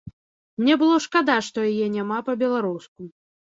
Мне было шкада, што яе няма па-беларуску.